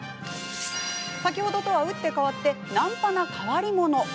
先ほどと打って変わって軟派な変わり者。